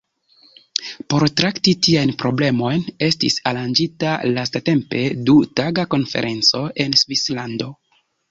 Por trakti tiajn problemojn estis aranĝita lastatempe du-taga konferenco en Svislando.